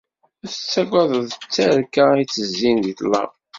Ur tettaggadeḍ tterka ittezzin di ṭṭlam.